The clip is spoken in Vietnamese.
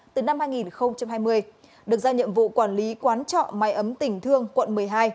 từ năm hai nghìn hai mươi được giao nhiệm vụ quản lý quán trọ máy ấm tỉnh thương quận một mươi hai